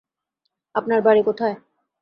আপনার বাড়ি কোথায়?